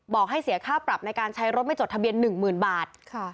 ให้เสียค่าปรับในการใช้รถไม่จดทะเบียน๑๐๐๐บาท